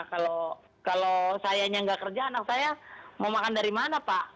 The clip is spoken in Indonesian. kalau sayanya nggak kerja anak saya mau makan dari mana pak